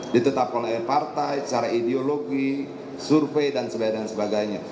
ditetapkan oleh partai secara ideologi survei dan sebagainya